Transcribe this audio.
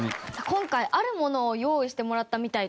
今回あるものを用意してもらったみたいです。